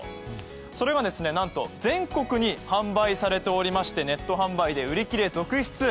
それがなんと全国に販売されていまして、ネット販売で売り切れ続出。